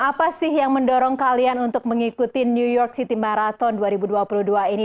apa sih yang mendorong kalian untuk mengikuti new york city marathon dua ribu dua puluh dua ini